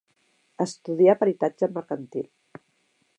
Estudià peritatge mercantil.